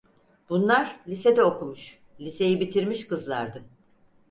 Bunlar lisede okumuş, liseyi bitirmiş kızlardı.